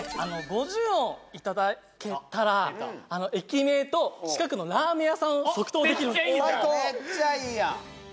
五十音いただけたら駅名と近くのラーメン屋さんを即答できるめっちゃいいやん